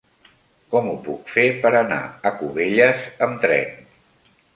Com ho puc fer per anar a Cubelles amb tren?